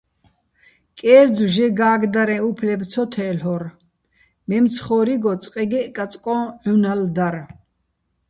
კერძო̆ ჟე გა́გდარეჼ უფლებ ცო თე́ლ'ორ, მემცხო́რიგო წყეგეჸ კაწკო́ჼ ჺუნალ დარ.